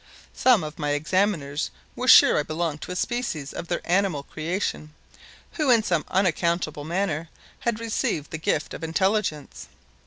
Some of my examiners were sure I belonged to a species of their animal creation, who, in some unaccountable manner, had received the gift of intelligence.